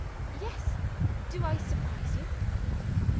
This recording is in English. _" "Yes. Do I surprise you?"